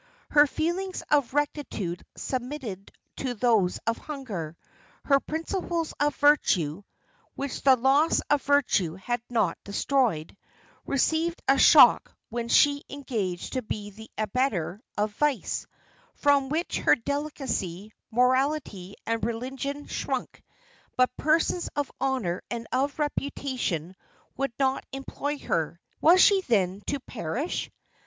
Her feelings of rectitude submitted to those of hunger; her principles of virtue (which the loss of virtue had not destroyed) received a shock when she engaged to be the abettor of vice, from which her delicacy, morality, and religion shrunk; but persons of honour and of reputation would not employ her: was she then to perish?